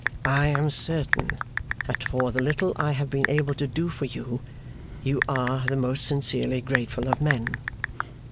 'I am certain that for the little I have been able to do for you, you are the most sincerely grateful of men.